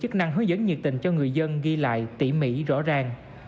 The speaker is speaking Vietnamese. chức năng hướng dẫn nhiệt tình cho người dân ghi lại tỉ mỉ rõ ràng